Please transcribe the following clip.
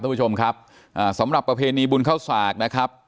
คุณผู้ชมครับอ่าสำหรับประเพณีบุญเข้าสากนะครับ